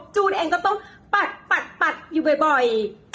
จูนเองก็ต้องปัดอยู่บ่อย